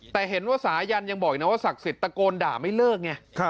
แต่เห็นว่าสายันยังบอกอีกนะว่าศักดิ์สิทธิ์ตะโกนด่าไม่เลิกไง